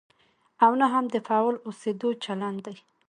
او نه هم د فعال اوسېدو چلند دی.